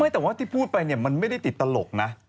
แต่ว่าที่พูดไปเนี่ยมันไม่ได้ติดตลกนะ